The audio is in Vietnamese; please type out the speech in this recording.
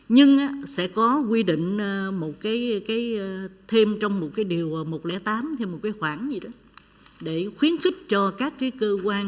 nhưng sẽ có quy định thêm trong một cái điều một trăm linh tám thêm một cái khoản gì đó để khuyến khích cho các cơ quan